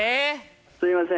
すいません